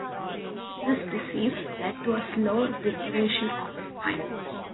This disease led to a slow deterioration of his spine.